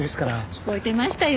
聞こえてましたよ。